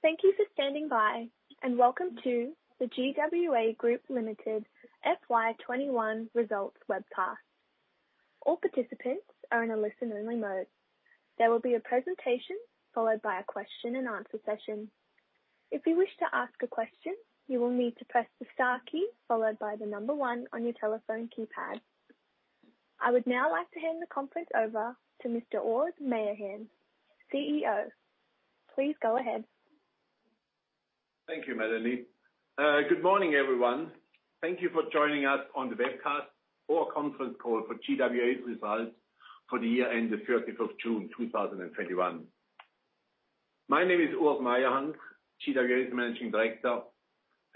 Thank you for standing by, and welcome to the GWA Group Limited FY 2021 results webcast. I would now like to hand the conference over to Mr. Urs Meyerhans, CEO. Please go ahead. Thank you, Madeline. Good morning, everyone. Thank you for joining us on the webcast or conference call for GWA's results for the year end of 30th of June 2021. My name is Urs Meyerhans, GWA's Managing Director,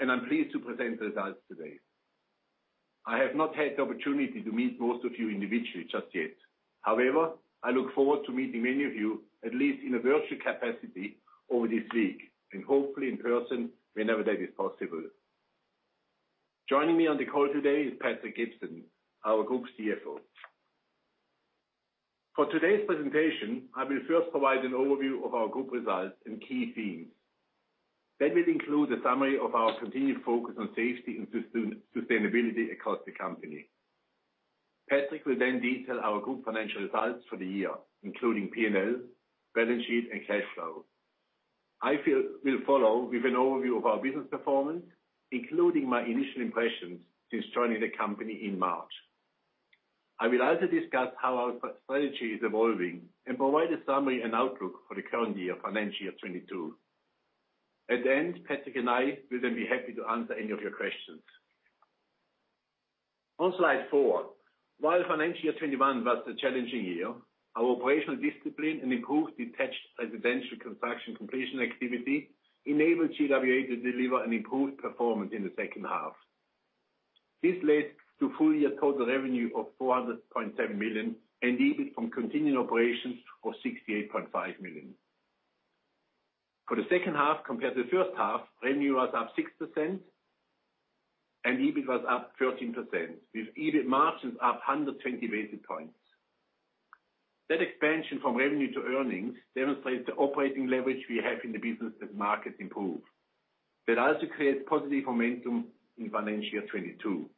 and I'm pleased to present the results today. I have not had the opportunity to meet most of you individually just yet. I look forward to meeting many of you, at least in a virtual capacity, over this week, and hopefully in person whenever that is possible. Joining me on the call today is Patrick Gibson, our Group CFO. For today's presentation, I will first provide an overview of our group results and key themes. That will include a summary of our continued focus on safety and sustainability across the company. Patrick will detail our group financial results for the year, including P&L, balance sheet, and cash flow. I will follow with an overview of our business performance, including my initial impressions since joining the company in March. I will also discuss how our strategy is evolving and provide a summary and outlook for the current year, financial year 2022. At the end, Patrick and I will be happy to answer any of your questions. On slide four, while financial year 2021 was a challenging year, our operational discipline and improved detached residential construction completion activity enabled GWA to deliver an improved performance in the second half. This led to full-year total revenue of 400.7 million and EBIT from continuing operations of 68.5 million. For the second half compared to first half, revenue was up 6% and EBIT was up 13%, with EBIT margins up 120 basis points. That expansion from revenue to earnings demonstrates the operating leverage we have in the business as markets improve. That also creates positive momentum in FY 2022.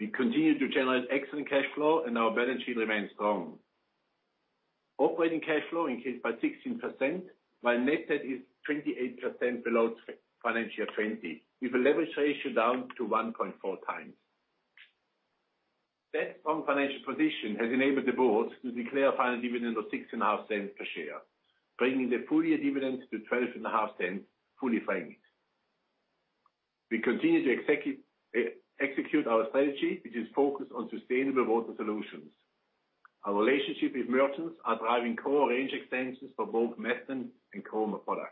We continue to generate excellent cash flow, and our balance sheet remains strong. Operating cash flow increased by 16%, while net debt is 28% below FY 2020, with a leverage ratio down to 1.4x. That strong financial position has enabled the Board to declare a final dividend of 0.065 per share, bringing the full year dividends to 0.125 fully franked. We continue to execute our strategy, which is focused on sustainable water solutions. Our relationship with merchants are driving core range extensions for both Methven and Caroma products.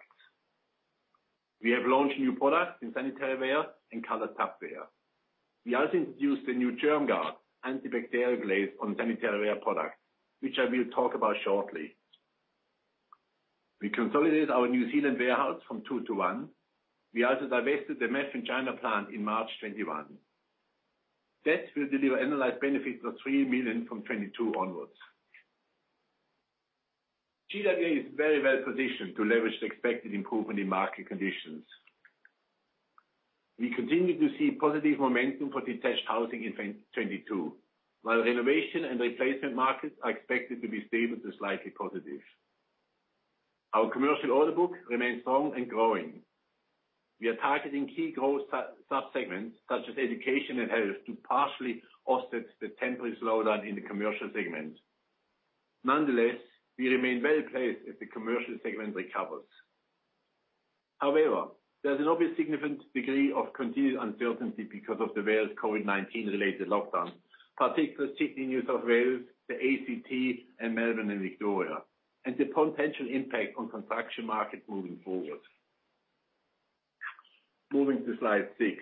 We have launched new products in sanitaryware and colored tapware. We also introduced a new GermGard antibacterial glaze on sanitaryware products, which I will talk about shortly. We consolidated our New Zealand warehouse from two to one. We also divested the Methven China plant in March 2021. That will deliver annualized benefits of 3 million from 2022 onwards. GWA is very well positioned to leverage the expected improvement in market conditions. We continue to see positive momentum for detached housing in 2022, while renovation and replacement markets are expected to be stable to slightly positive. Our commercial order book remains strong and growing. We are targeting key growth subsegments, such as education and health, to partially offset the temporary slowdown in the commercial segment. We remain well-placed if the commercial segment recovers. There is an obvious significant degree of continued uncertainty because of the various COVID-19 related lockdowns, particularly Sydney, New South Wales, the ACT, and Melbourne and Victoria, and the potential impact on construction market moving forward. Moving to slide six.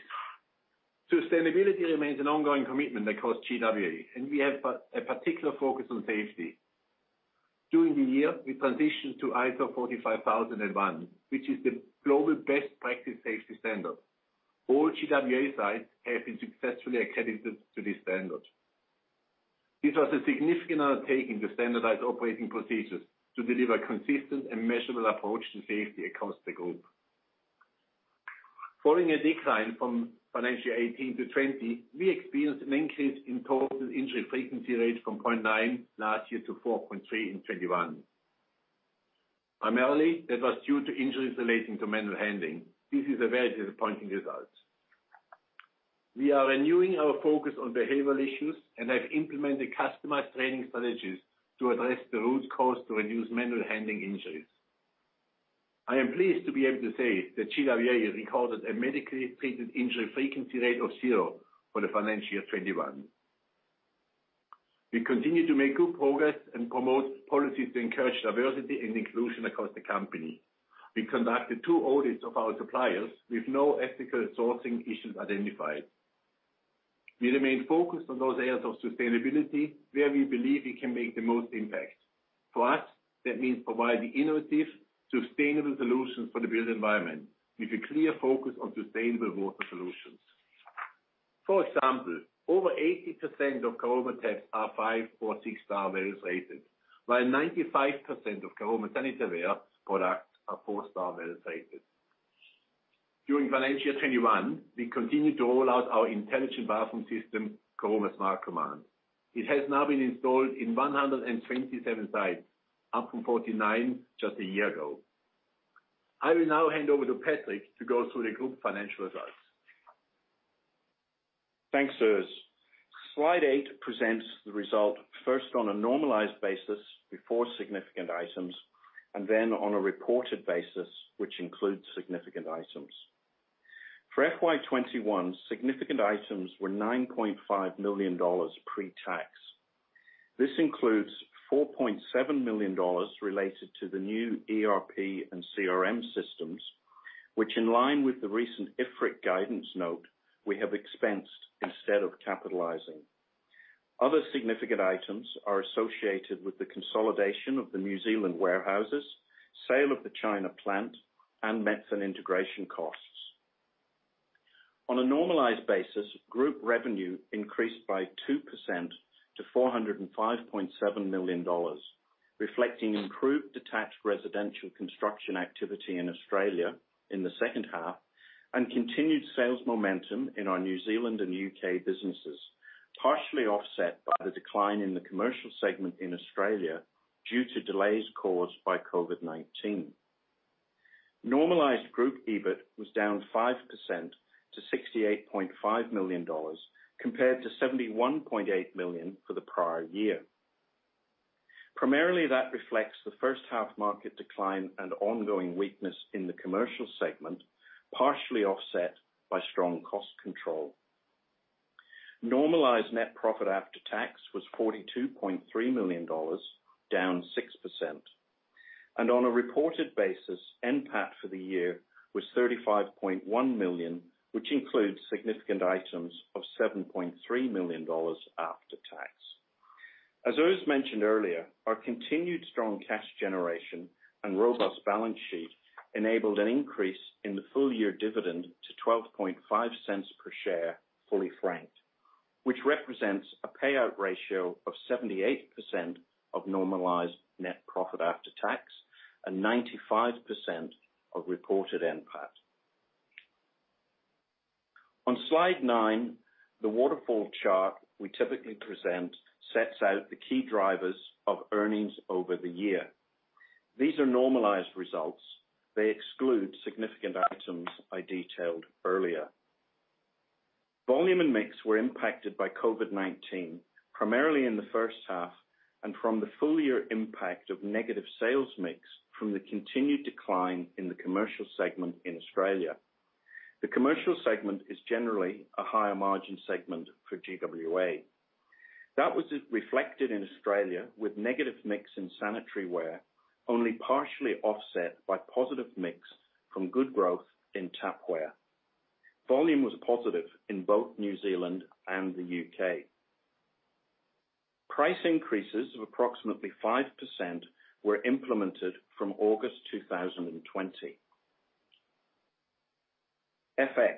Sustainability remains an ongoing commitment across GWA, and we have a particular focus on safety. During the year, we transitioned to ISO 45001, which is the global best practice safety standard. All GWA sites have been successfully accredited to this standard. This was a significant undertaking to standardize operating procedures to deliver consistent and measurable approach to safety across the group. Following a decline from FY 2018 to FY 2020, we experienced an increase in total injury frequency rate from 0.9 last year to 4.3 in 2021. Primarily, that was due to injuries relating to manual handling. This is a very disappointing result. We are renewing our focus on behavioral issues and have implemented customized training strategies to address the root cause to reduce manual handling injuries. I am pleased to be able to say that GWA recorded a medically treated injury frequency rate of 0 for the FY 2021. We continue to make good progress and promote policies to encourage diversity and inclusion across the company. We conducted two audits of our suppliers with no ethical sourcing issues identified. We remain focused on those areas of sustainability where we believe we can make the most impact. For us, that means providing innovative, sustainable solutions for the built environment with a clear focus on sustainable water solutions. For example, over 80% of Caroma taps are 5- or 6-star WELS rated, while 95% of Caroma sanitaryware products are 4-star WELS rated. During FY 2021, we continued to roll out our intelligent bathroom system, Caroma Smart Command. It has now been installed in 127 sites, up from 49 just a year ago. I will now hand over to Patrick to go through the Group financial results. Thanks, Urs. Slide eight presents the result first on a normalized basis before significant items, and then on a reported basis, which includes significant items. For FY 2021, significant items were 9.5 million dollars pre-tax. This includes 4.7 million dollars related to the new ERP and CRM systems, which in line with the recent IFRIC guidance note, we have expensed instead of capitalizing. Other significant items are associated with the consolidation of the New Zealand warehouses, sale of the China plant, and Methven integration costs. On a normalized basis, Group revenue increased by 2% to 405.7 million dollars, reflecting improved detached residential construction activity in Australia in the second half, and continued sales momentum in our New Zealand and U.K. businesses, partially offset by the decline in the commercial segment in Australia due to delays caused by COVID-19. Normalized group EBIT was down 5% to 68.5 million dollars compared to 71.8 million for the prior year. Primarily, that reflects the first half market decline and ongoing weakness in the commercial segment, partially offset by strong cost control. Normalized net profit after tax was 42.3 million dollars, down 6%, and on a reported basis, NPAT for the year was 35.1 million, which includes significant items of 7.3 million dollars after tax. As Urs mentioned earlier, our continued strong cash generation and robust balance sheet enabled an increase in the full-year dividend to 0.125 per share fully franked, which represents a payout ratio of 78% of normalized net profit after tax and 95% of reported NPAT. On slide nine, the waterfall chart we typically present sets out the key drivers of earnings over the year. These are normalized results. They exclude significant items I detailed earlier. Volume and mix were impacted by COVID-19, primarily in the first half, and from the full-year impact of negative sales mix from the continued decline in the commercial segment in Australia. The commercial segment is generally a higher-margin segment for GWA. That was reflected in Australia with negative mix in sanitaryware, only partially offset by positive mix from good growth in tapware. Volume was positive in both New Zealand and the U.K. Price increases of approximately 5% were implemented from August 2020. FX.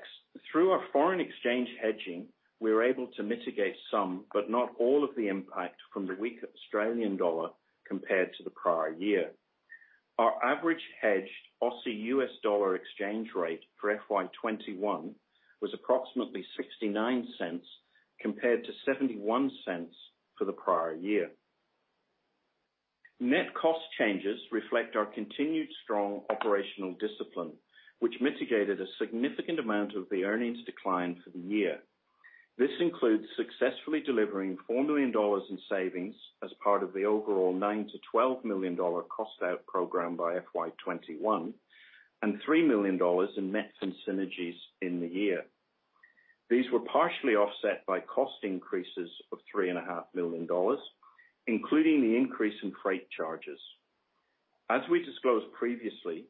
Through our foreign exchange hedging, we were able to mitigate some, but not all of the impact from the weak Australian dollar compared to the prior year. Our average hedged Aussie-U.S. dollar exchange rate for FY 2021 was approximately 0.69 compared to 0.71 for the prior year. Net cost changes reflect our continued strong operational discipline, which mitigated a significant amount of the earnings decline for the year. This includes successfully delivering 4 million dollars in savings as part of the overall 9 million-12 million dollar cost-out program by FY 2021 and 3 million dollars in Methven synergies in the year. These were partially offset by cost increases of 3.5 million dollars, including the increase in freight charges. As we disclosed previously,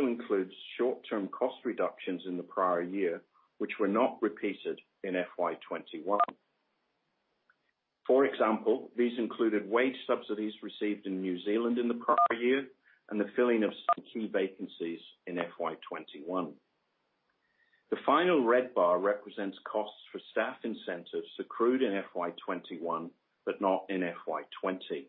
it also includes short-term cost reductions in the prior year, which were not repeated in FY 2021. For example, these included wage subsidies received in New Zealand in the prior year and the filling of some key vacancies in FY 2021. The final red bar represents costs for staff incentives accrued in FY 2021, but not in FY 2020.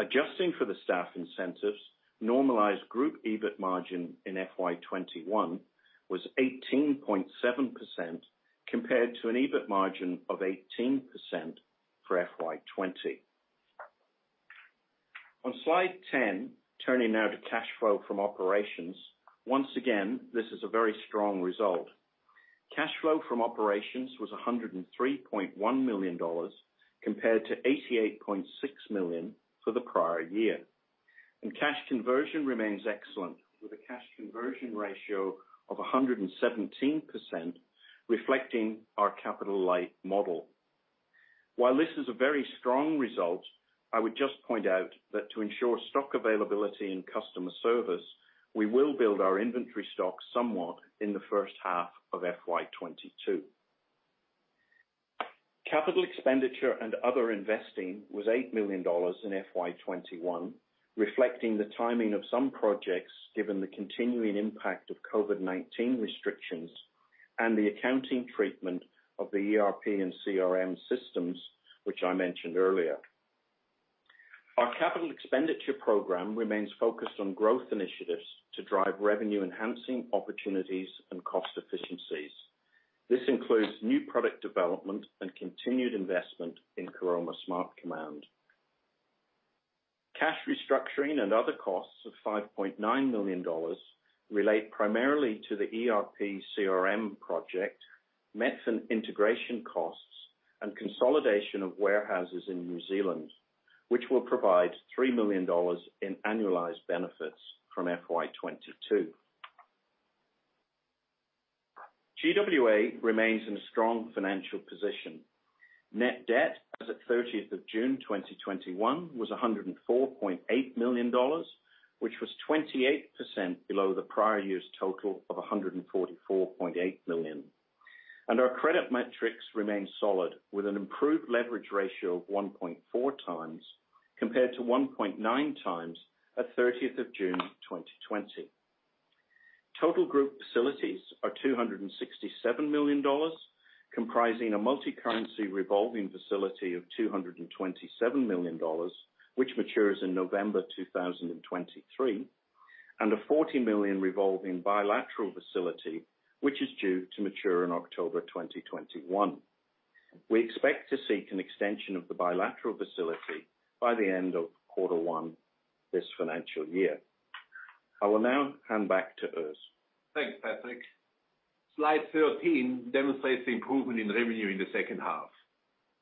Adjusting for the staff incentives, normalized group EBIT margin in FY 2021 was 18.7% compared to an EBIT margin of 18% for FY 2020. On slide 10, turning now to cash flow from operations. This is a very strong result. Cash flow from operations was 103.1 million dollars compared to 88.6 million for the prior year. Cash conversion remains excellent with a cash conversion ratio of 117%, reflecting our capital-light model. While this is a very strong result, I would just point out that to ensure stock availability and customer service, we will build our inventory stock somewhat in the first half of FY 2022. Capital expenditure and other investing was 8 million dollars in FY 2021, reflecting the timing of some projects given the continuing impact of COVID-19 restrictions and the accounting treatment of the ERP and CRM systems, which I mentioned earlier. Our capital expenditure program remains focused on growth initiatives to drive revenue-enhancing opportunities and cost efficiencies. This includes new product development and continued investment in Caroma Smart Command. Cash restructuring and other costs of 5.9 million dollars relate primarily to the ERP/CRM project, Methven integration costs, and consolidation of warehouses in New Zealand, which will provide 3 million dollars in annualized benefits from FY 2022. GWA remains in a strong financial position. Net debt as at 30th of June 2021 was 104.8 million dollars, which was 28% below the prior year's total of 144.8 million. Our credit metrics remain solid, with an improved leverage ratio of 1.4x compared to 1.9x at 30th of June 2020. Total group facilities are 267 million dollars, comprising a multicurrency revolving facility of 227 million dollars, which matures in November 2023, and a 40 million revolving bilateral facility, which is due to mature in October 2021. We expect to seek an extension of the bilateral facility by the end of quarter one this financial year. I will now hand back to Urs. Thanks, Patrick. Slide 13 demonstrates the improvement in revenue in the second half.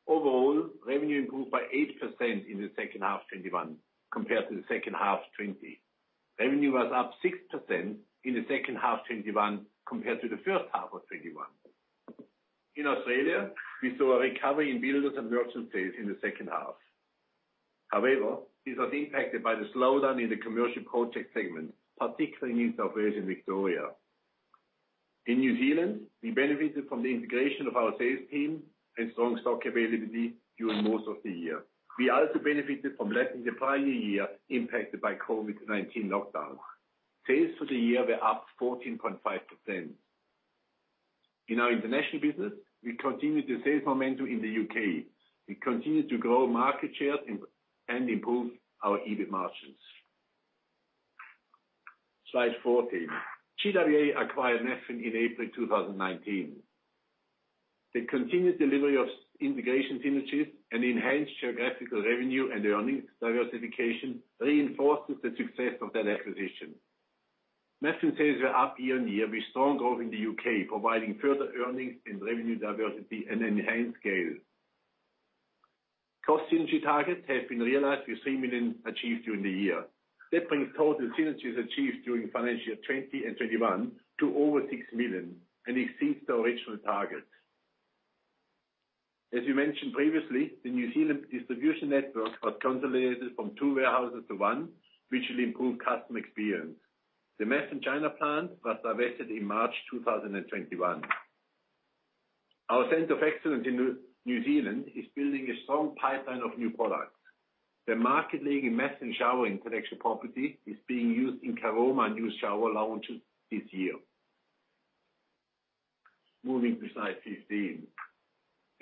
Overall, revenue improved by 8% in the second half of 2021 compared to the second half of 2020. Revenue was up 6% in the second half of 2021 compared to the first half of 2021. In Australia, we saw a recovery in builders and merchant sales in the second half. This was impacted by the slowdown in the commercial project segment, particularly in New South Wales and Victoria. In New Zealand, we benefited from the integration of our sales team and strong stock availability during most of the year. We also benefited from less than the prior year impacted by COVID-19 lockdowns. Sales for the year were up 14.5%. In our international business, we continued the sales momentum in the U.K. We continued to grow market share and improve our EBIT margins. Slide 14. GWA acquired Methven in April 2019. The continued delivery of integration synergies and enhanced geographical revenue and earnings diversification reinforces the success of that acquisition. Methven sales were up year-on-year with strong growth in the U.K., providing further earnings and revenue diversity and enhanced scale. Cost synergy targets have been realized with 3 million achieved during the year. That brings total synergies achieved during FY 2020 and FY 2021 to over 6 million and exceeds the original target. As we mentioned previously, the New Zealand distribution network was consolidated from two warehouses to one, which will improve customer experience. The Methven China plant was divested in March 2021. Our center of excellence in New Zealand is building a strong pipeline of new products. The market-leading Methven shower connection technology is being used in Caroma new shower launches this year. Moving to slide 15.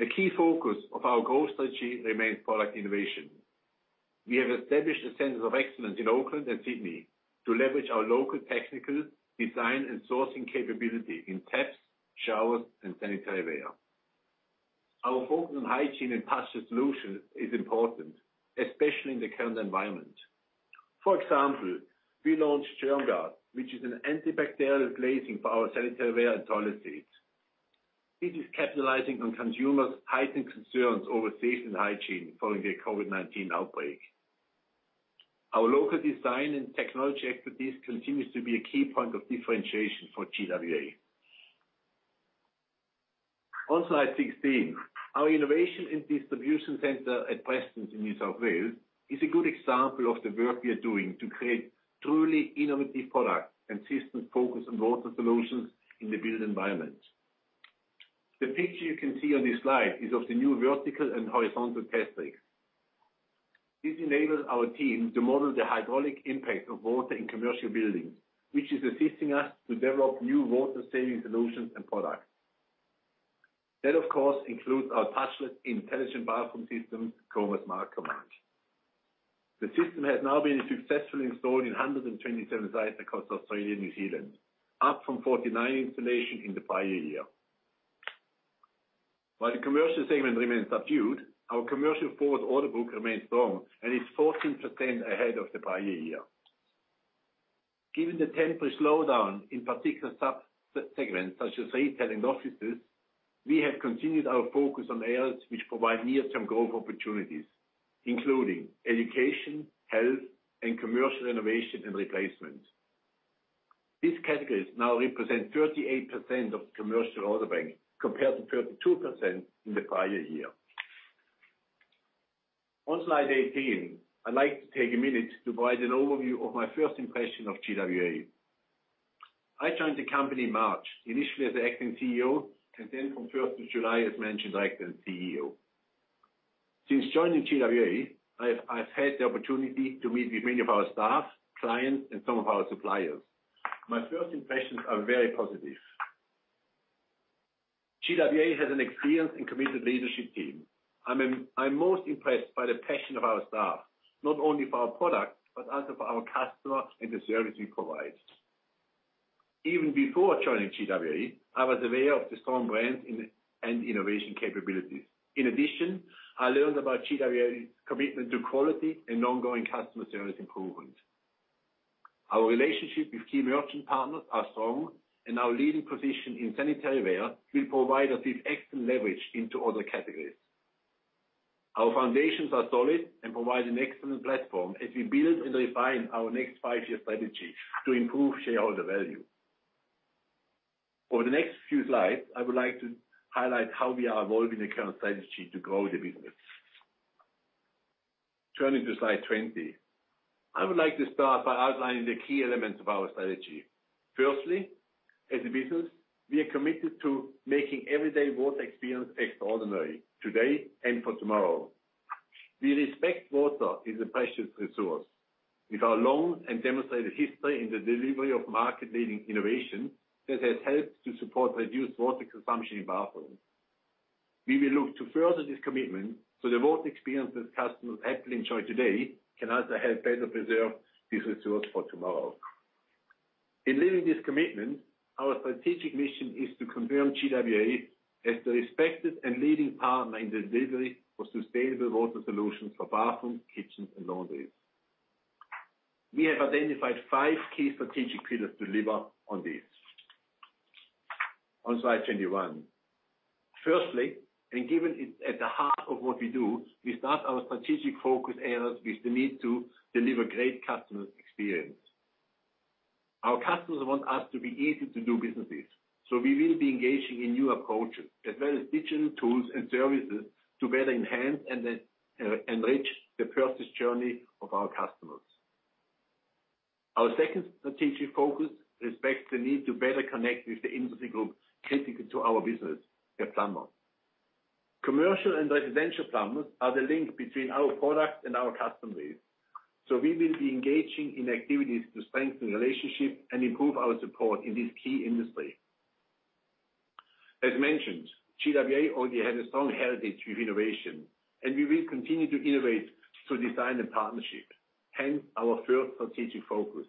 A key focus of our growth strategy remains product innovation. We have established a center of excellence in Auckland and Sydney to leverage our local technical design and sourcing capability in taps, showers, and sanitaryware. Our focus on hygiene and touchless solutions is important, especially in the current environment. For example, we launched GermGard, which is an antibacterial glazing for our sanitaryware and toilet seats. This is capitalizing on consumers' heightened concerns over safety and hygiene following the COVID-19 outbreak. Our local design and technology expertise continues to be a key point of differentiation for GWA. On slide 16, our innovation and distribution center at Prestons in New South Wales is a good example of the work we are doing to create truly innovative products and systems focused on water solutions in the build environment. The picture you can see on this slide is of the new vertical and horizontal test rig. This enables our team to model the hydraulic impact of water in commercial buildings, which is assisting us to develop new water-saving solutions and products. That, of course, includes our touchless intelligent bathroom system, Caroma Smart Command. The system has now been successfully installed in 127 sites across Australia and New Zealand, up from 49 installations in the prior year. While the commercial segment remains subdued, our commercial forward order book remains strong and is 14% ahead of the prior year. Given the temporary slowdown in particular sub-segments such as retailing and offices, we have continued our focus on areas which provide near-term growth opportunities, including education, health, and commercial renovation and replacement. These categories now represent 38% of the commercial order bank compared to 32% in the prior year. On slide 18, I'd like to take a minute to provide an overview of my first impression of GWA. I joined the company in March, initially as the Acting CEO, and then from 1st of July, as mentioned, as CEO. Since joining GWA, I've had the opportunity to meet with many of our staff, clients, and some of our suppliers. My first impressions are very positive. GWA has an experienced and committed leadership team. I'm most impressed by the passion of our staff, not only for our product, but also for our customers and the service we provide. Even before joining GWA, I was aware of the strong brand and innovation capabilities. In addition, I learned about GWA's commitment to quality and ongoing customer service improvement. Our relationship with key merchant partners are strong, and our leading position in sanitaryware will provide us with excellent leverage into other categories. Our foundations are solid and provide an excellent platform as we build and refine our next five-year strategy to improve shareholder value. For the next few slides, I would like to highlight how we are evolving the current strategy to grow the business. Turning to slide 20. I would like to start by outlining the key elements of our strategy. Firstly, as a business, we are committed to making everyday water experience extraordinary, today and for tomorrow. We respect water is a precious resource, with our long and demonstrated history in the delivery of market-leading innovation that has helped to support reduced water consumption in bathrooms. We will look to further this commitment so the water experience that customers happily enjoy today can also help better preserve this resource for tomorrow. In living this commitment, our strategic mission is to confirm GWA as the respected and leading partner in the delivery for sustainable water solutions for bathrooms, kitchens, and laundries. We have identified five key strategic pillars to deliver on this. On slide 21. Firstly, given it's at the heart of what we do, we start our strategic focus areas with the need to deliver great customer experience. Our customers want us to be easy to do businesses. We will be engaging in new approaches as well as digital tools and services to better enhance and enrich the purchase journey of our customers. Our second strategic focus respects the need to better connect with the industry group critical to our business, the plumbers. Commercial and residential plumbers are the link between our product and our customer base. We will be engaging in activities to strengthen relationships and improve our support in this key industry. As mentioned, GWA already has a strong heritage with innovation, and we will continue to innovate through design and partnership, hence our third strategic focus.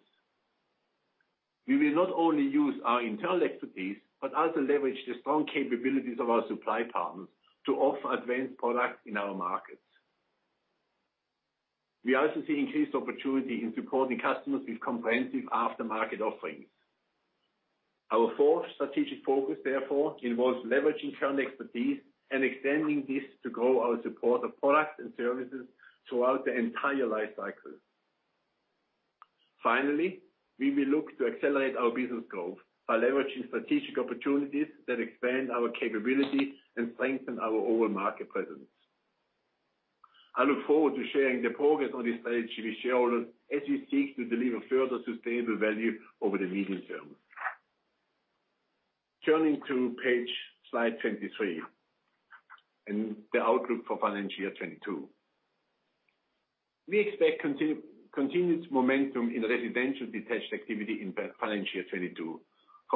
We will not only use our internal expertise but also leverage the strong capabilities of our supply partners to offer advanced products in our markets. We also see increased opportunity in supporting customers with comprehensive aftermarket offerings. Our fourth strategic focus, therefore, involves leveraging current expertise and extending this to grow our support of products and services throughout their entire life cycles. Finally, we will look to accelerate our business growth by leveraging strategic opportunities that expand our capability and strengthen our overall market presence. I look forward to sharing the progress on this strategy with shareholders as we seek to deliver further sustainable value over the medium term. Turning to slide 23 and the outlook for financial year 2022. We expect continued momentum in residential detached activity in financial year 2022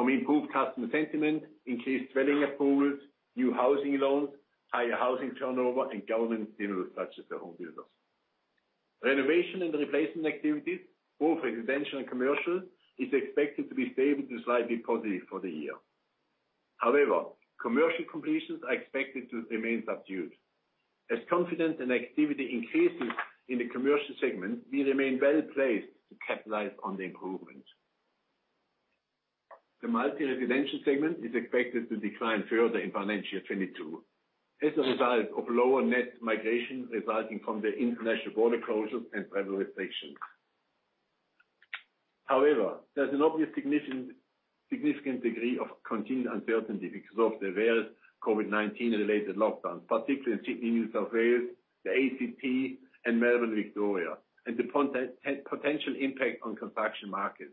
from improved customer sentiment, increased dwelling approvals, new housing loans, higher housing turnover, and government stimulus such as the HomeBuilder. Renovation and replacement activities, both residential and commercial, is expected to be stable to slightly positive for the year. However, commercial completions are expected to remain subdued. As confidence and activity increases in the commercial segment, we remain well placed to capitalize on the improvement. The multi-residential segment is expected to decline further in financial year 2022 as a result of lower net migration resulting from the international border closures and travel restrictions. There's an obvious significant degree of continued uncertainty because of the various COVID-19 related lockdowns, particularly in Sydney, New South Wales, the ACT, and Melbourne, Victoria, and the potential impact on construction markets.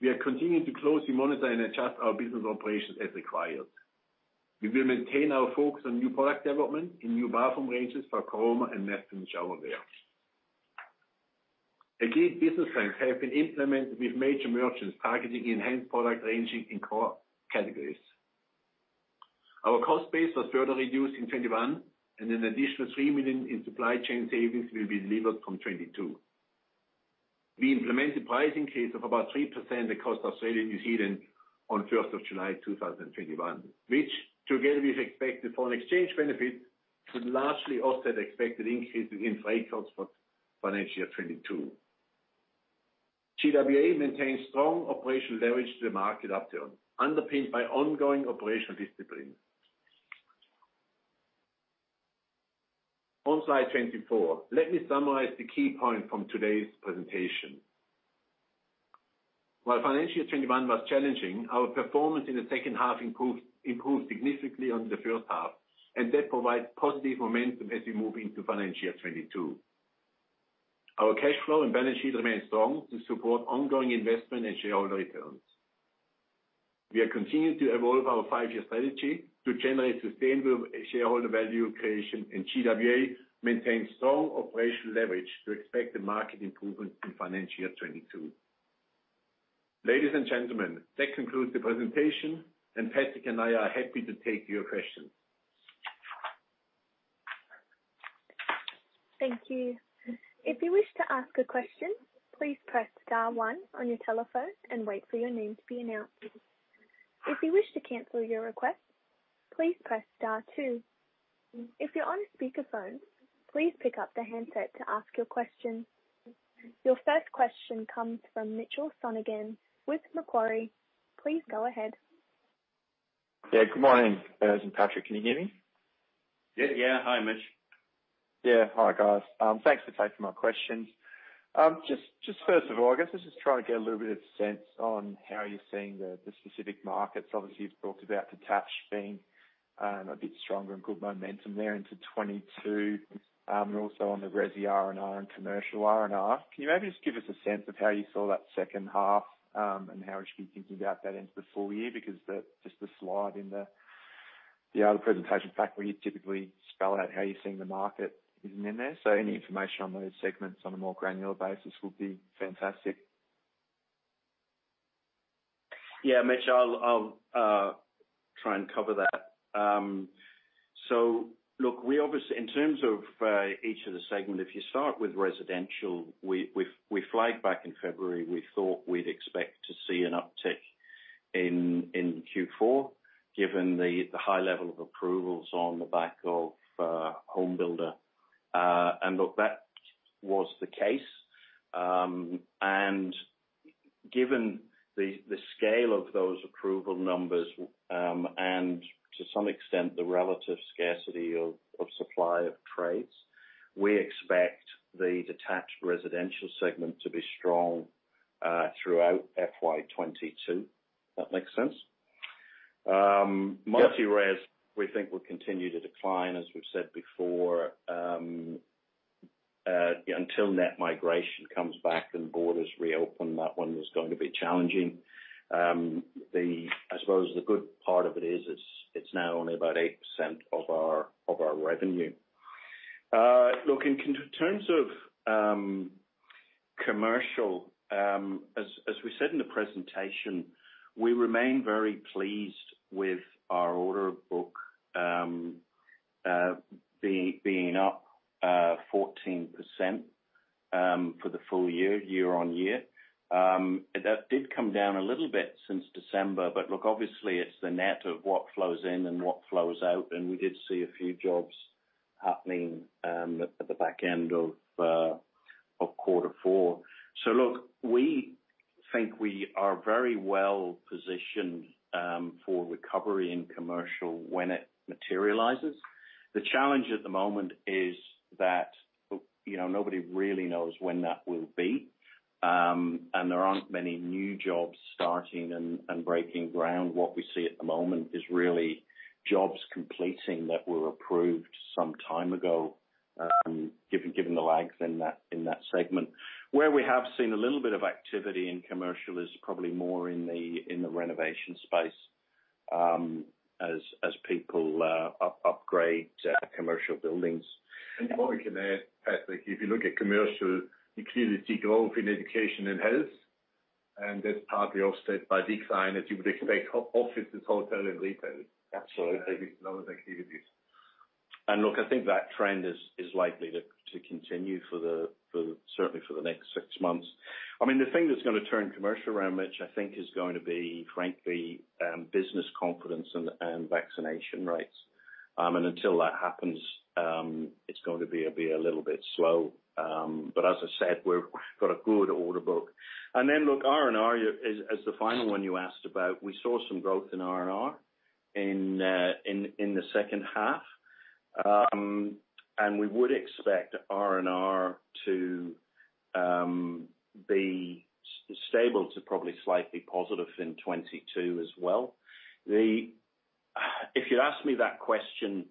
We are continuing to closely monitor and adjust our business operations as required. We will maintain our focus on new product development in new bathroom ranges for Caroma and Methven showerwares. Agreed business plans have been implemented with major merchants targeting enhanced product ranging in core categories. Our cost base was further reduced in 2021, and an additional 3 million in supply chain savings will be delivered from 2022. We implemented pricing increases of about 3% across Australia and New Zealand on 1st of July 2021, which together with expected foreign exchange benefits, should largely offset expected increases in freight costs for financial year 2022. GWA maintains strong operational leverage to the market upturn, underpinned by ongoing operational discipline. On slide 24, let me summarize the key points from today's presentation. While financial year 2021 was challenging, our performance in the second half improved significantly on the first half, and that provides positive momentum as we move into financial year 2022. Our cash flow and balance sheet remain strong to support ongoing investment and shareholder returns. We are continuing to evolve our five-year strategy to generate sustainable shareholder value creation, and GWA maintains strong operational leverage to expect the market improvement in financial year 2022. Ladies and gentlemen, that concludes the presentation, and Patrick and I are happy to take your questions. Thank you. If you wish to ask a question, please press star one on your telephone and wait for your name to be announced. If you wish to cancel your request, please press star two. If you're on speakerphone, please pick up the handset to ask your question. Your first question comes from Mitchell Sonogan with Macquarie. Please go ahead. Yeah, good morning, Urs and Patrick. Can you hear me? Yeah. Hi, Mitch. Hi, guys. Thanks for taking my questions. First of all, I guess let's just try to get a little bit of sense on how you're seeing the specific markets. Obviously, you've talked about detached being a bit stronger and good momentum there into 2022. Also on the resi R&R and commercial R&R. Can you maybe just give us a sense of how you saw that second half, and how we should be thinking about that into the full year? Just the slide in the presentation fact where you typically spell out how you're seeing the market isn't in there. Any information on those segments on a more granular basis would be fantastic. Yeah, Mitchell, I'll try and cover that. Look, in terms of each of the segment, if you start with residential, we flagged back in February, we thought we'd expect to see an uptick in Q4 given the high level of approvals on the back of HomeBuilder. Look, that was the case. Given the scale of those approval numbers, and to some extent the relative scarcity of supply of trades, we expect the detached residential segment to be strong throughout FY 2022. That makes sense? Yep. Multi-res, we think will continue to decline, as we've said before. Until net migration comes back and borders reopen, that one is going to be challenging. I suppose the good part of it is, it's now only about 8% of our revenue. Look, in terms of commercial, as we said in the presentation, we remain very pleased with our order book being up 14% for the full year year-on-year. That did come down a little bit since December, but look, obviously it's the net of what flows in and what flows out, and we did see a few jobs happening at the back end of quarter four. Look, we think we are very well positioned for recovery in commercial when it materializes. The challenge at the moment is that nobody really knows when that will be. There aren't many new jobs starting and breaking ground. What we see at the moment is really jobs completing that were approved some time ago, given the lags in that segment. Where we have seen a little bit of activity in commercial is probably more in the renovation space, as people upgrade commercial buildings. What we can add, Patrick, if you look at commercial, you clearly see growth in education and health, and that's partly offset by decline as you would expect, offices, hotel, and retail— Absolutely. Those activities. Look, I think that trend is likely to continue certainly for the next six months. The thing that's going to turn commercial around, Mitch, I think is going to be frankly, business confidence and vaccination rates. Until that happens, it's going to be a little bit slow. As I said, we've got a good order book. Look, R&R as the final one you asked about, we saw some growth in R&R in the second half. We would expect R&R to be stable to probably slightly positive in 2022 as well. If you'd asked me that question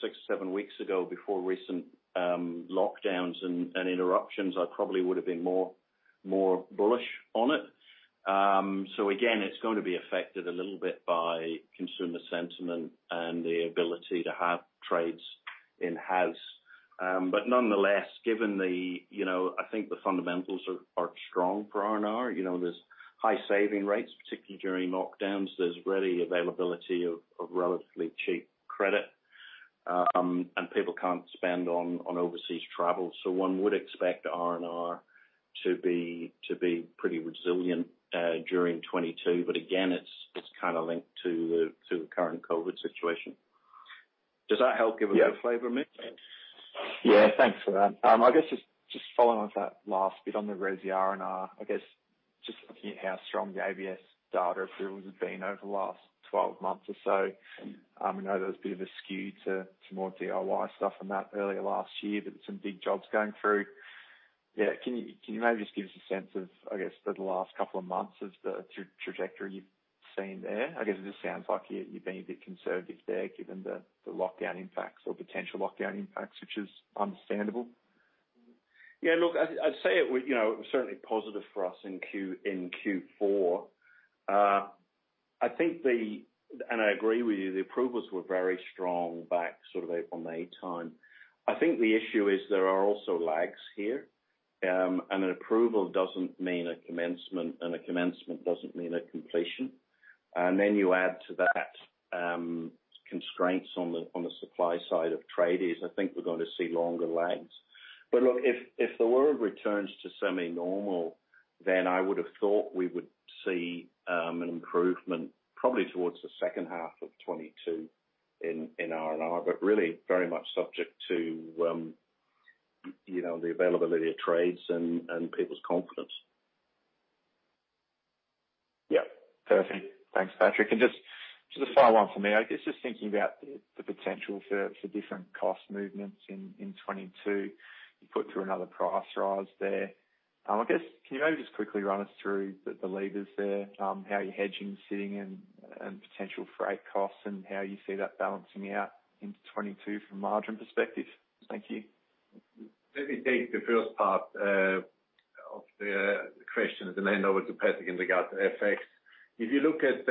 six, seven weeks ago before recent lockdowns and interruptions, I probably would've been more bullish on it. Again, it's going to be affected a little bit by consumer sentiment and the ability to have trades in-house. Nonetheless, I think the fundamentals are strong for R&R. There's high saving rates, particularly during lockdowns. There's ready availability of relatively cheap credit, and people can't spend on overseas travel. One would expect R&R to be pretty resilient during 2022. Again, it's kind of linked to the current COVID situation. Does that help give a bit of flavor, Mitch? Yeah, thanks for that. Following on with that last bit on the resi R&R, looking at how strong the ABS data approvals have been over the last 12 months or so. I know there was a bit of a skew to more DIY stuff and that earlier last year, but some big jobs going through. Yeah. Can you maybe just give us a sense of the last couple of months of the trajectory you've seen there? It just sounds like you're being a bit conservative there, given the lockdown impacts or potential lockdown impacts, which is understandable. Yeah, look, I'd say it was certainly positive for us in Q4. I agree with you, the approvals were very strong back sort of April, May time. I think the issue is there are also lags here, and an approval doesn't mean a commencement, and a commencement doesn't mean a completion. Then you add to that constraints on the supply side of tradies, I think we're going to see longer lags. Look, if there were a returns to semi-normal, then I would have thought we would see an improvement probably towards the second half of 2022 in R&R, but really very much subject to the availability of trades and people's confidence. Yeah. Perfect. Thanks, Patrick. Just the final one for me, I guess, just thinking about the potential for different cost movements in 2022. You put through another price rise there. I guess, can you maybe just quickly run us through the levers there, how your hedging is sitting and potential freight costs and how you see that balancing out into 2022 from a margin perspective? Thank you. Let me take the first part of the question and then hand over to Patrick in regard to FX. If you look at,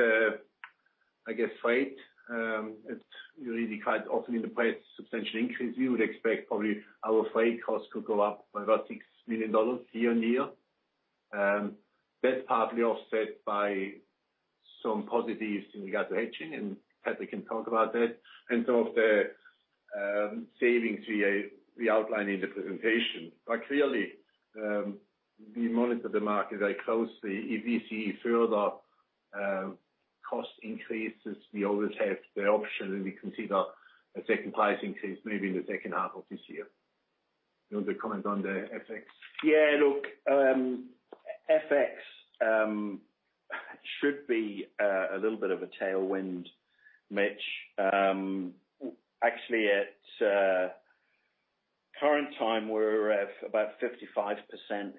I guess, freight, you read the chart, also in the freight substantial increase. We would expect probably our freight cost could go up by about 6 million dollars year-on-year. That's partly offset by some positives in regard to hedging, and Patrick can talk about that, and some of the savings we outlined in the presentation. Clearly, we monitor the market very closely. If we see further cost increases, we always have the option, and we consider a second price increase maybe in the second half of this year. You want to comment on the FX? Look, FX should be a little bit of a tailwind, Mitch. Actually, at current time, we're about 55%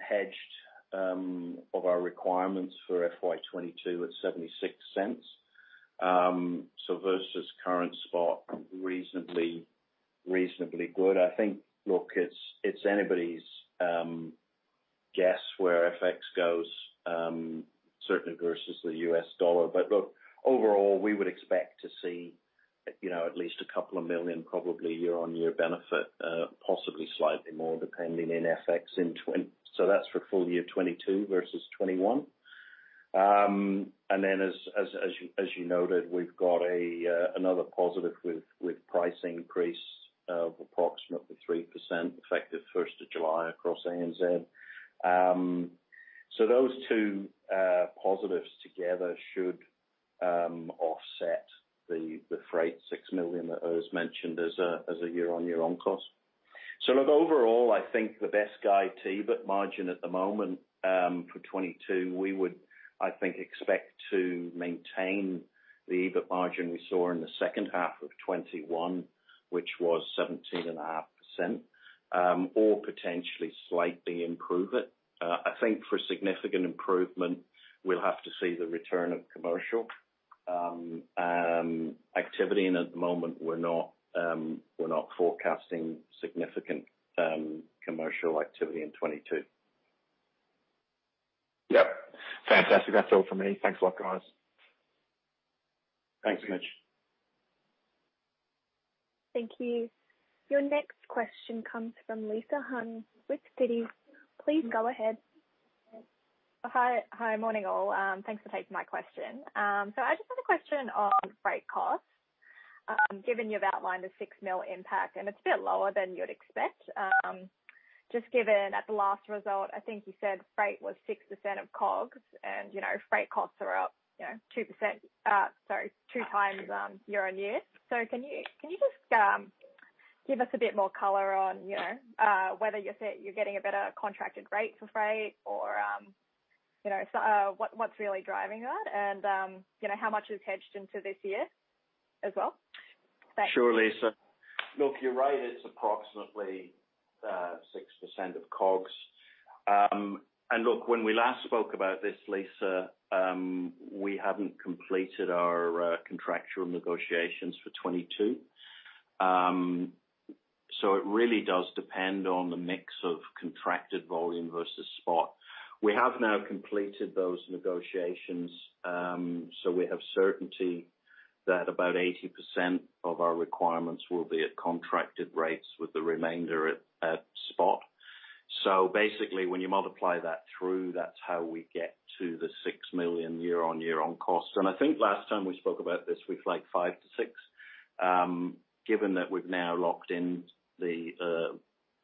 hedged of our requirements for FY 2022 at 0.76. Versus current spot, reasonably good. I think, look, it's anybody's guess where FX goes, certainly versus the U.S. dollar. Look, overall, we would expect to see at least AUD a couple of million probably year-on-year benefit, possibly slightly more depending in FX. That's for full year 2022 versus 2021. As you noted, we've got another positive route with pricing increase of approximately 3% effective 1st of July across ANZ. Those two positives together should offset the freight, 6 million that Urs mentioned as a year-on-year on cost. Look, overall, I think the best guide to EBIT margin at the moment for 2022, we would, I think, expect to maintain the EBIT margin we saw in the second half of 2021, which was 17.5%, or potentially slightly improve it. I think for a significant improvement, we'll have to see the return of commercial activity. At the moment, we're not forecasting significant commercial activity in 2022. Yep. Fantastic. That's all from me. Thanks a lot, guys. Thanks, Mitch. Thank you. Your next question comes from Lisa Huynh with Citi. Please go ahead. Hi. Morning all. Thanks for taking my question. I just had a question on freight costs. Given you've outlined the 6 million impact, and it's a bit lower than you'd expect. Just given at the last result, I think you said freight was 6% of COGS and freight costs are up 2x year-on-year. Can you just give us a bit more color on whether you're getting a better contracted rate for freight or what's really driving that and how much is hedged into this year as well? Thanks. Sure, Lisa. Look, you're right, it's approximately 6% of COGS. Look, when we last spoke about this, Lisa, we hadn't completed our contractual negotiations for 2022. It really does depend on the mix of contracted volume versus spot. We have now completed those negotiations, so we have certainty that about 80% of our requirements will be at contracted rates with the remainder at spot. Basically, when you multiply that through, that's how we get to the 6 million year-over-year on cost. I think last time we spoke about this, we flagged 5 million-6 million. Given that we've now locked in the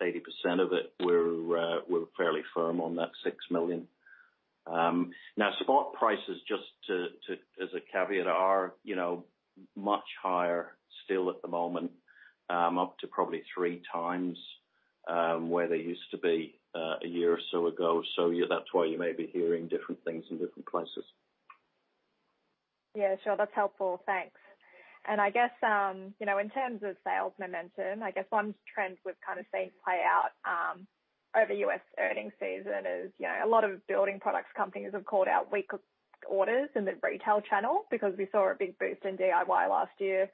80% of it, we're fairly firm on that 6 million. Spot prices, just as a caveat, are much higher still at the moment, up to probably 3x where they used to be a year or so ago. That's why you may be hearing different things in different places. Yeah, sure. That's helpful. Thanks. In terms of sales momentum, one trend we've seen play out over U.S. earnings season is, a lot of building products companies have called out weaker orders in the retail channel because we saw a big boost in DIY last year.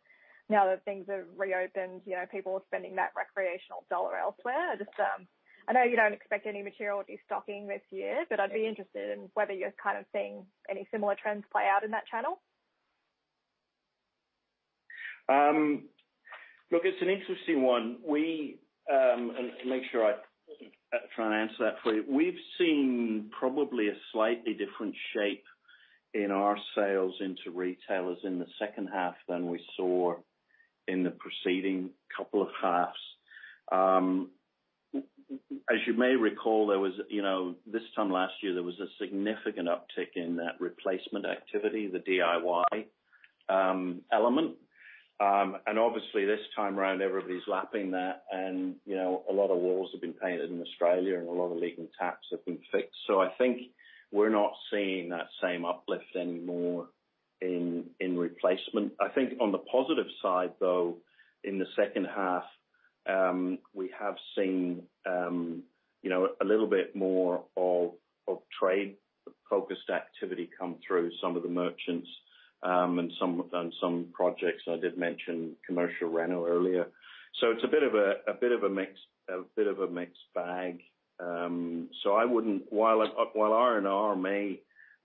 Now that things have reopened, people are spending that recreational dollar elsewhere. I know you don't expect any material destocking this year, but I'd be interested in whether you're seeing any similar trends play out in that channel. Look, it's an interesting one. To make sure I try and answer that for you. We've seen probably a slightly different shape in our sales into retailers in the second half than we saw in the preceding couple of halves. As you may recall, this time last year, there was a significant uptick in that replacement activity, the DIY element. Obviously, this time around, everybody's lapping that and a lot of walls have been painted in Australia and a lot of leaking taps have been fixed. I think we're not seeing that same uplift anymore in replacement. I think on the positive side, though, in the second half, we have seen a little bit more of trade-focused activity come through some of the merchants and some projects. I did mention commercial reno earlier. It's a bit of a mixed bag. While R&R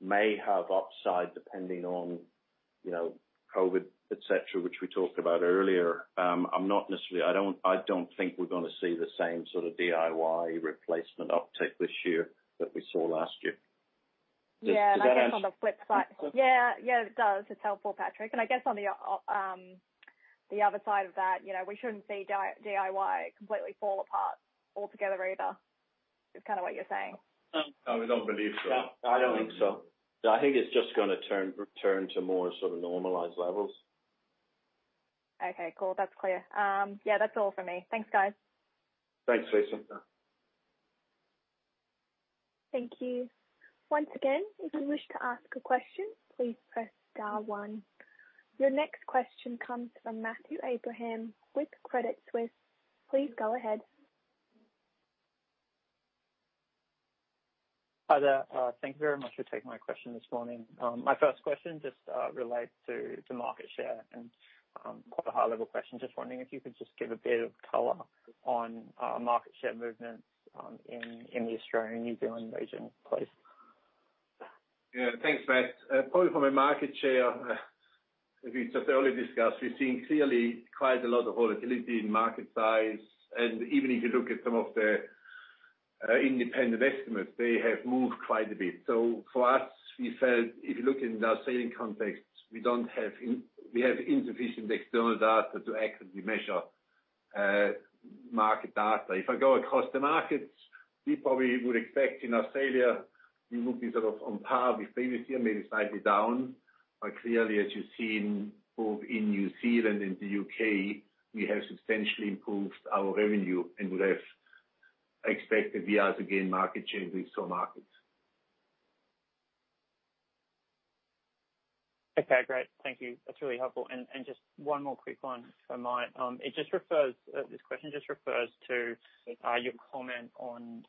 may have upside depending on COVID, et cetera, which we talked about earlier, I don't think we're going to see the same sort of DIY replacement uptick this year that we saw last year. Did that answer? Yeah. It does. It's helpful, Patrick. I guess on the other side of that, we shouldn't see DIY completely fall apart altogether either. It's kind of what you're saying. We don't believe so. I don't think so. I think it's just going to return to more sort of normalized levels. Okay, cool. That's clear. That's all for me. Thanks, guys. Thanks, Lisa. Thank you. Once again, if you wish to ask a question, please press star one. Your next question comes from Matthew Abraham with Credit Suisse. Please go ahead. Hi there. Thank you very much for taking my question this morning. My first question just relates to market share and quite a high-level question. Just wondering if you could just give a bit of color on market share movements in the Australian and New Zealand region, please. Thanks, Matt. From a market share, as we just earlier discussed, we're seeing clearly quite a lot of volatility in market size. Even if you look at some of the independent estimates, they have moved quite a bit. For us, we felt if you look in the same context, we have insufficient external data to accurately measure market data. If I go across the markets, we probably would expect in Australia, we would be sort of on par with previous year, maybe slightly down. Clearly, as you've seen both in New Zealand and the U.K., we have substantially improved our revenue and would have expected we are to gain market share with some markets. Okay, great. Thank you. That's really helpful. Just one more quick one from my end. This question just refers to your comment on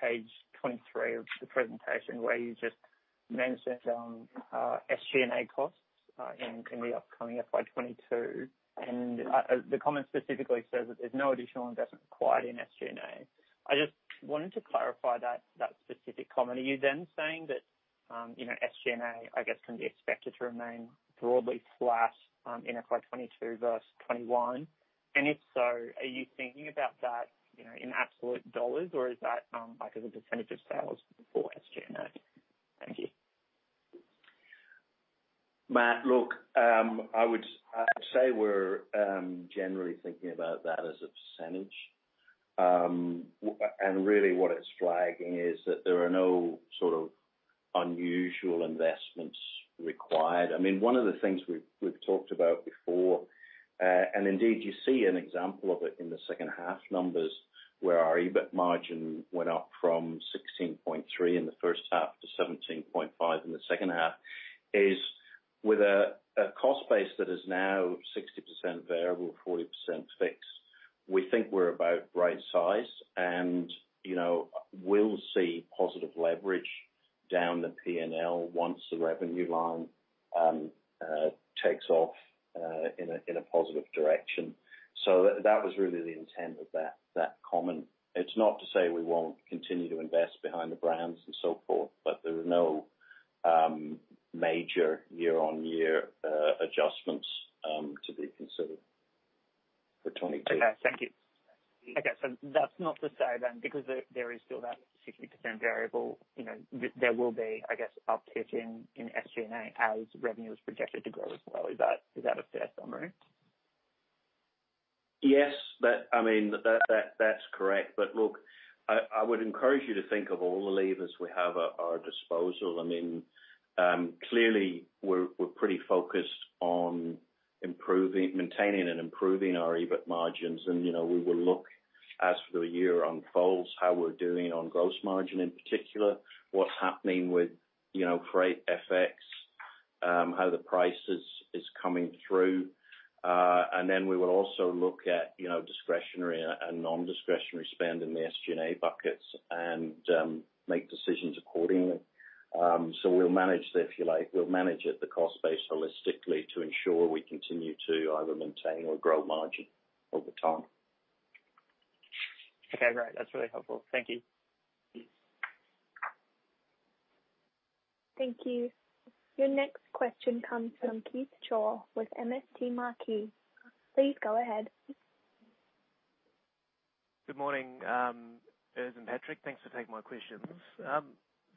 page 23 of the presentation where you just mentioned SG&A costs in the upcoming FY 2022. The comment specifically says that there's no additional investment required in SG&A. I just wanted to clarify that specific comment. Are you then saying that SG&A, I guess, can be expected to remain broadly flat in FY 2022 versus FY 2021? If so, are you thinking about that in absolute dollars or is that like as a percentage of sales for SG&A? Thank you. Matt, look, I would say we're generally thinking about that as a percentage. Really what it's flagging is that there are no sort of unusual investments required. One of the things we've talked about before, and indeed you see an example of it in the second half numbers where our EBIT margin went up from 16.3% in the first half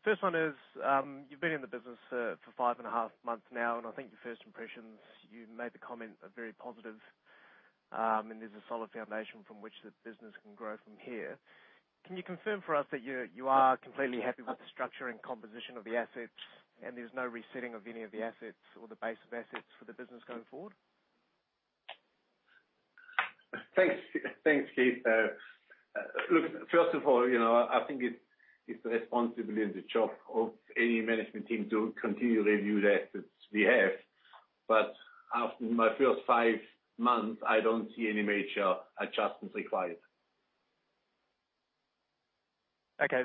First one is, you've been in the business for five and a half months now, and I think your first impressions, you made the comment, are very positive, and there's a solid foundation from which the business can grow from here. Can you confirm for us that you are completely happy with the structure and composition of the assets, and there's no resetting of any of the assets or the base of assets for the business going forward? Thanks, Keith. Look, first of all, I think it's the responsibility and the job of any management team to continually review the assets we have. After my first five months, I don't see any major adjustments required. Okay.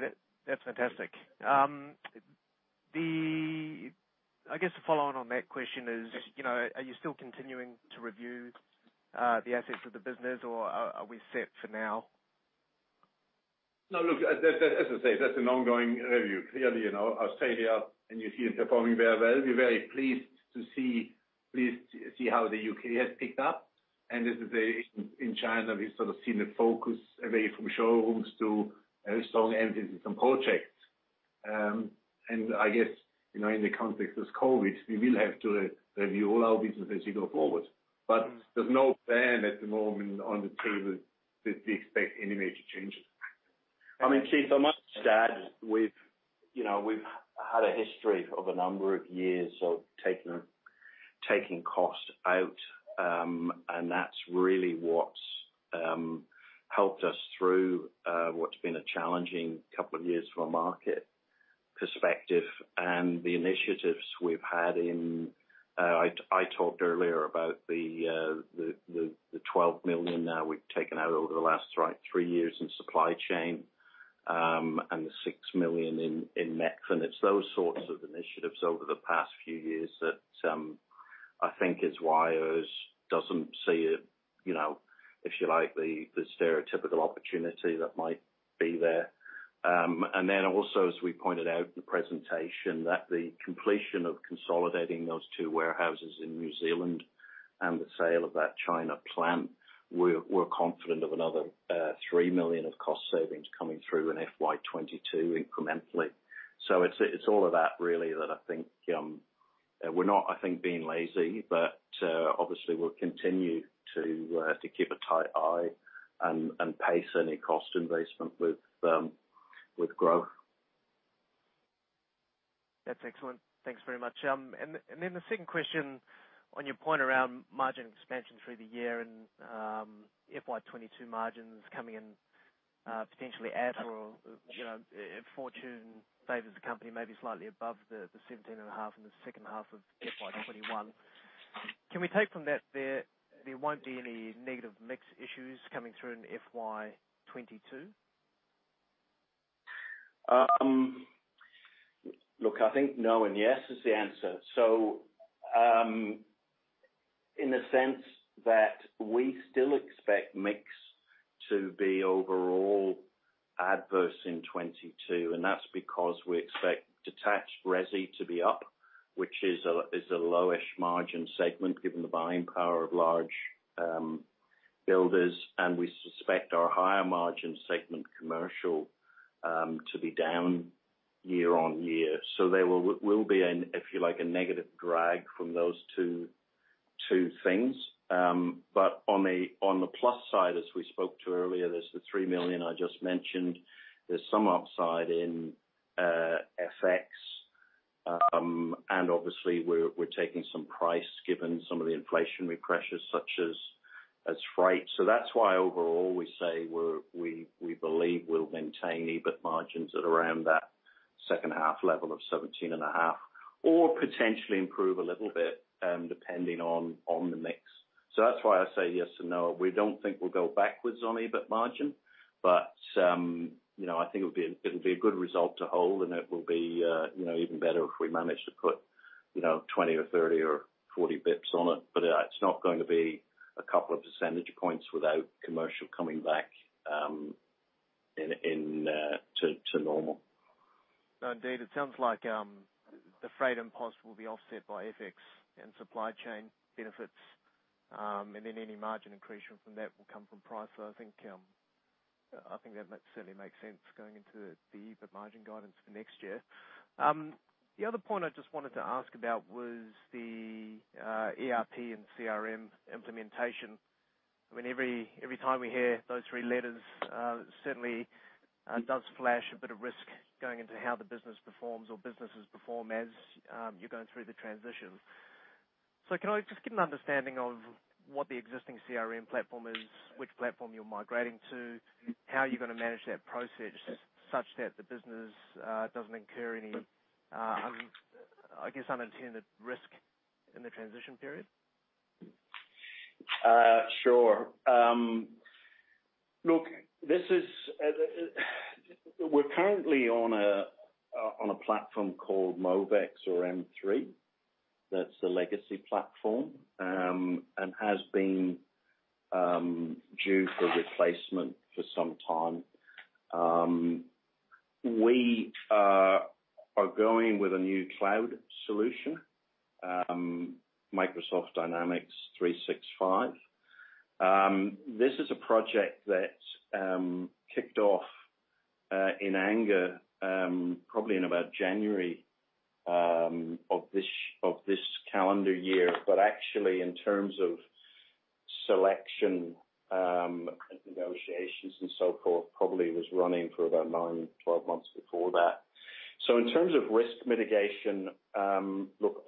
That's fantastic. I guess following on that question is, are you still continuing to review the assets of the business, or are we set for now? No, look, as I say, that's an ongoing review. Clearly, Australia and New Zealand performing very well. We're very pleased to see how the U.K. has picked up. In China, we've sort of seen the focus away from showrooms to a strong emphasis on projects. I guess, in the context of COVID-19, we will have to review all our businesses as we go forward. There's no plan at the moment on the table that we expect any major changes. I mean, Keith, I must add, we've had a history of a number of years of taking cost out, and that's really what's helped us through what's been a challenging couple of years from a market perspective. The initiatives we've had, I talked earlier about the 12 million now we've taken out over the last three years in supply chain, and the 6 million in Methven. It's those sorts of initiatives over the past few years that I think is why Urs doesn't see it, if you like, the stereotypical opportunity that might be there. Also, as we pointed out in the presentation, that the completion of consolidating those two warehouses in New Zealand and the sale of that China plant, we're confident of another 3 million of cost savings coming through in FY 2022 incrementally. It's all of that, really, we're not, I think, being lazy, but obviously we'll continue to keep a tight eye and pace any cost investment with growth. That's excellent. Thanks very much. Then the second question on your point around margin expansion through the year and FY 2022 margins coming in potentially at or if fortune favors the company, maybe slightly above the 17.5% in the second half of FY 2021. Can we take from that there won't be any negative mix issues coming through in FY 2022? Look, I think no and yes is the answer. In the sense that we still expect mix to be overall adverse in 2022, and that's because we expect detached resi to be up, which is a low-ish margin segment given the buying power of large builders, and we suspect our higher-margin segment commercial to be down year-on-year. There will be an, if you like, a negative drag from those two things. On the plus side, as we spoke to earlier, there's the 3 million I just mentioned. There's some upside in FX. Obviously we're taking some price given some of the inflationary pressures such as freight. That's why overall we say we believe we'll maintain EBIT margins at around that second half level of 17.5% or potentially improve a little bit depending on the mix. That's why I say yes and no. We don't think we'll go backwards on EBIT margin, but I think it'll be a good result to hold and it will be even better if we manage to put 20 or 30 or 40 basis points on it. It's not going to be a couple of percentage points without commercial coming back to normal. No, indeed, it sounds like the freight and costs will be offset by FX and supply chain benefits. Any margin accretion from that will come from price. I think that certainly makes sense going into the EBIT margin guidance for next year. The other point I just wanted to ask about was the ERP and CRM implementation. I mean, every time we hear those three letters, certainly does flash a bit of risk going into how the business performs or businesses perform as you're going through the transition. Can I just get an understanding of what the existing CRM platform is, which platform you're migrating to, how you're going to manage that process such that the business doesn't incur any unintended risk in the transition period? Sure. We're currently on a platform called Movex or M3. That's the legacy platform and has been due for replacement for some time. We are going with a new cloud solution, Microsoft Dynamics 365. This is a project that's kicked off in anger probably in about January of this calendar year. Actually, in terms of selection, negotiations, and so forth, probably was running for about 9-12 months before that. In terms of risk mitigation,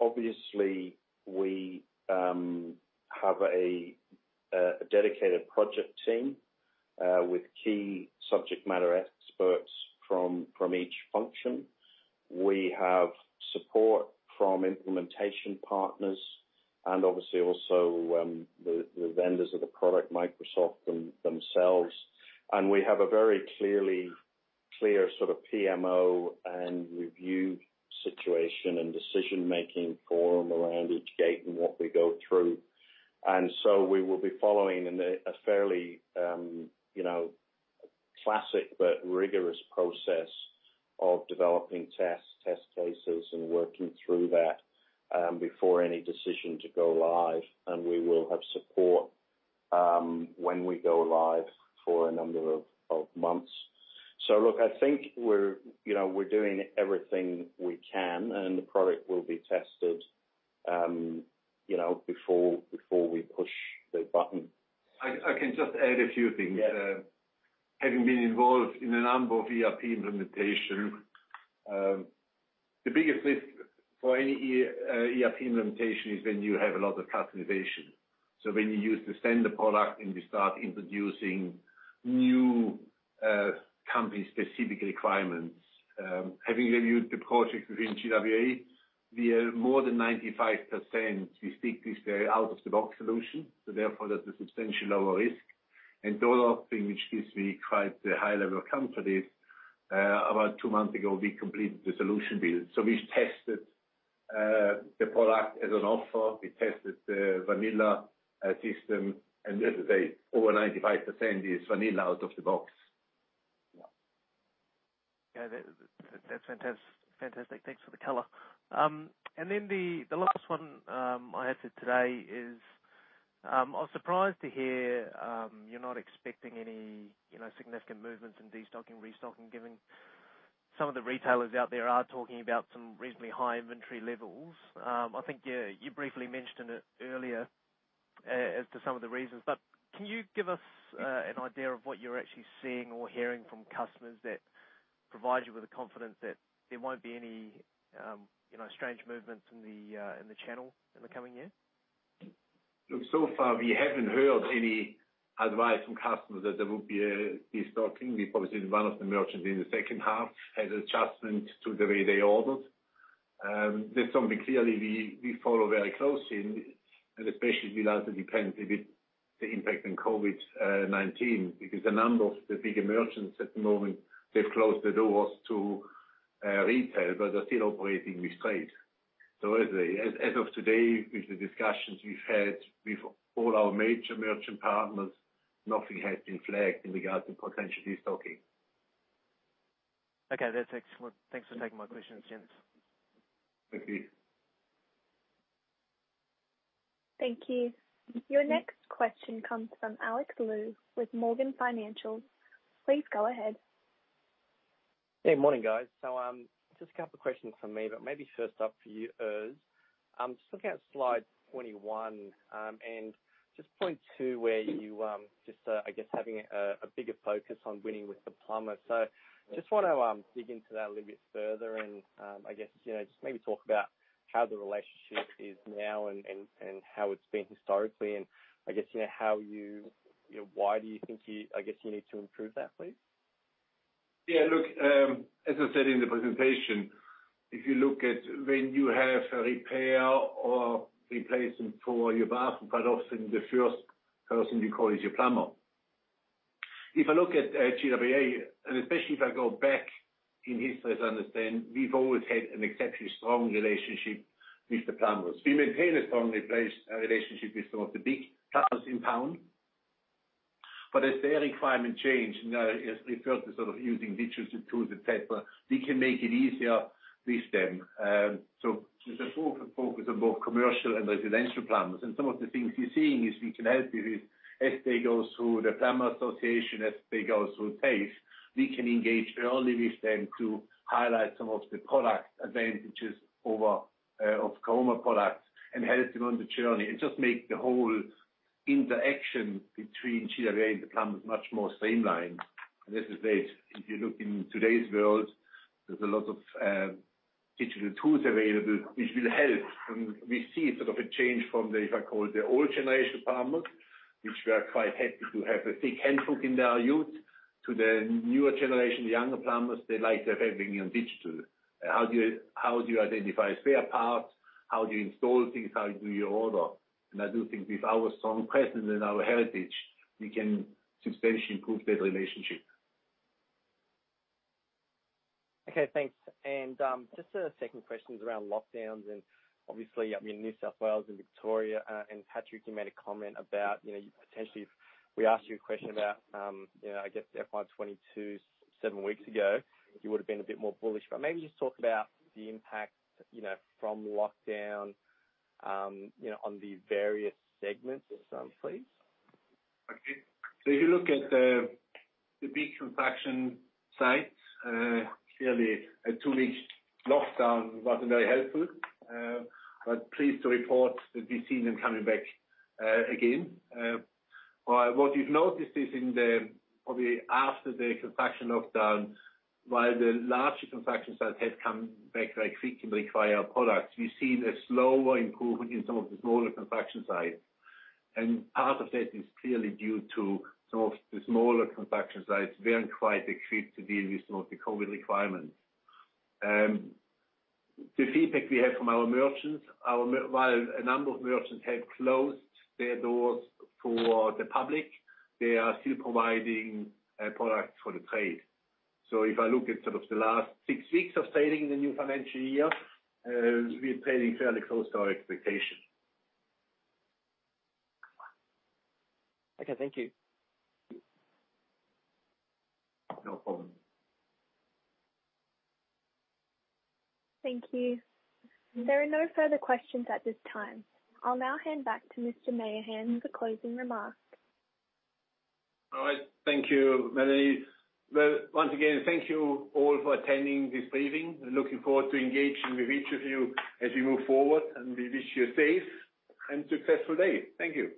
obviously we have a dedicated project team with key subject matter experts from each function. We have support from implementation partners and obviously also the vendors of the product, Microsoft themselves. We have a very clear sort of PMO and review situation and decision-making forum around each gate and what we go through. We will be following a fairly classic but rigorous process of developing tests, test cases, and working through that before any decision to go live, and we will have support when we go live for a number of months. Look, I think we're doing everything we can, and the product will be tested before we push the button. I can just add a few things. Yeah. Having been involved in a number of ERP implementations, the biggest risk for any ERP implementation is when you have a lot of customization, when you use the standard product, and we start introducing new company-specific requirements. Having reviewed the project within GWA, we are more than 95% we think is very out-of-the-box solution, therefore that's a substantially lower risk. Those are things which gives me quite a high level of confidence. About two months ago, we completed the solution build. We tested the product as an offer. We tested the vanilla system, as I say, over 95% is vanilla out of the box. Yeah. That's fantastic. Thanks for the color. The last one I had for today is, I was surprised to hear you're not expecting any significant movements in destocking, restocking, given some of the retailers out there are talking about some reasonably high inventory levels. I think you briefly mentioned it earlier as to some of the reasons, but can you give us an idea of what you are actually seeing or hearing from customers that provide you with the confidence that there won't be any strange movements in the channel in the coming year? Look, so far, we haven't heard any advice from customers that there will be a destocking. We've obviously had one of the merchants in the second half has adjustment to the way they ordered. That's something clearly we follow very closely, and especially we also depend a bit the impact on COVID-19, because a number of the big merchants at the moment, they've closed their doors to retail, but they're still operating with trade. As of today, with the discussions we've had with all our major merchant partners, nothing has been flagged in regards to potential destocking. Okay. That's excellent. Thanks for taking my questions, gents. Thank you. Thank you. Your next question comes from Alex Lu with Morgans Financial. Please go ahead. Hey, morning, guys. Just two questions from me, but maybe first up for you, Urs. Just looking at slide 21, and just point to where you just, I guess, having a bigger focus on winning with the plumber. Just want to dig into that a little bit further and, I guess, just maybe talk about how the relationship is now and how it's been historically, and I guess, why do you think you need to improve that, please? Look, as I said in the presentation, if you look at when you have a repair or replacement for your bath products, often the first person you call is your plumber. I look at GWA, especially if I go back in history, as I understand, we've always had an exceptionally strong relationship with the plumbers. We maintain a strong relationship with some of the big players in town. As their requirements change, as we refer to sort of using digital tools and such, we can make it easier with them. There's a focus on both commercial and residential plumbers. Some of the things we're seeing is we can help you with, as they go through the plumbers association, as they go through TAFE, we can engage early with them to highlight some of the product advantages of Caroma products and help them on the journey, and just make the whole interaction between [GWA] becomes much more streamlined. This is it. If you look in today's world, there's a lot of digital tools available which will help. We see sort of a change from the, if I call, the old generation plumbers, which were quite happy to have a thick handbook in their youth, to the newer generation, the younger plumbers, they like to have everything on digital. How do you identify spare parts? How do you install things? How do you order? I do think with our strong presence and our heritage, we can substantially improve that relationship. Okay, thanks. Just a second question is around lockdowns and obviously, I mean, New South Wales and Victoria, Patrick, you made a comment about potentially if we asked you a question about, I guess, FY 2022 seven weeks ago, you would've been a bit more bullish. Maybe just talk about the impact from lockdown on the various segments, please. Okay. If you look at the big construction sites, clearly a two-week lockdown wasn't very helpful. Pleased to report that we've seen them coming back again. What we've noticed is in the, probably after the construction lockdown, while the larger construction sites have come back very quickly and require products, we've seen a slower improvement in some of the smaller construction sites. Part of that is clearly due to some of the smaller construction sites weren't quite equipped to deal with some of the COVID requirements. The feedback we have from our merchants, while a number of merchants have closed their doors to the public, they are still providing products for the trade. If I look at sort of the last six weeks of trading the new financial year, we are trading fairly close to our expectation. Okay, thank you. No problem. Thank you. There are no further questions at this time. I'll now hand back to Mr. Meyerhans for closing remarks. All right. Thank you, Melanie. Well, once again, thank you all for attending this briefing. Looking forward to engaging with each of you as we move forward, and we wish you a safe and successful day. Thank you.